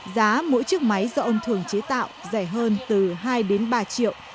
giá mỗi chiếc máy do ông thương chế tạo rẻ hơn từ hai ba triệu